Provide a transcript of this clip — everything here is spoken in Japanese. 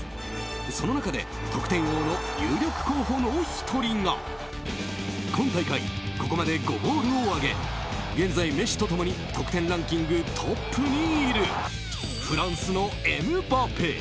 その中で得点王の有力候補の１人が今大会、ここまで５ゴールを挙げ現在メッシと共に得点ランキングトップにいるフランスのエムバペ。